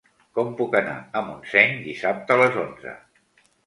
Com puc anar a Montseny dissabte a les onze?